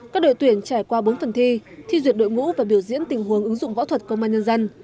các đội tuyển trải qua bốn phần thi thi duyệt đội ngũ và biểu diễn tình huống ứng dụng võ thuật công an nhân dân